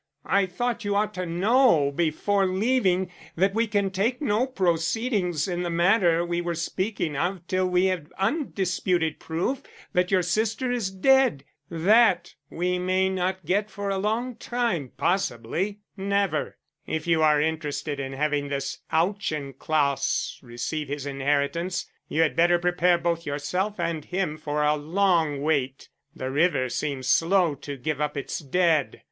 "I thought you ought to know before leaving that we can take no proceedings in the matter we were speaking of till we have undisputed proof that your sister is dead. That we may not get for a long time, possibly never. If you are interested in having this Auchincloss receive his inheritance, you had better prepare both yourself and him for a long wait. The river seems slow to give up its dead."